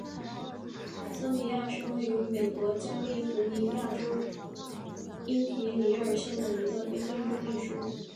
桑迪亚是位于美国加利福尼亚州因皮里尔县的一个非建制地区。